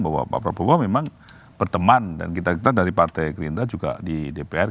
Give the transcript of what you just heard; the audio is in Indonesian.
bahwa pak prabowo memang berteman dan kita kita dari partai gerindra juga di dpr